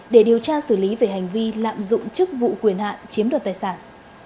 để điều tra xử lý về hành vi lạm dụng chức vụ quyền hạn chiếm đoạt tài sản